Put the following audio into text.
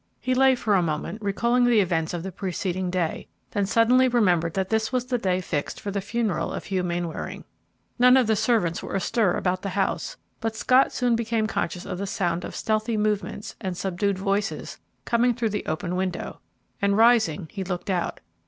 He lay for a moment recalling the events of the preceding day, then suddenly remembered that this was the day fixed for the funeral of Hugh Mainwaring. None of the servants were astir about the house, but Scott soon became conscious of the sound of stealthy movements and subdued voices coming through the open window, and, rising, he looked out.